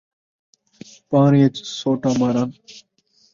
پاݨی اِچ سوٹا مارݨ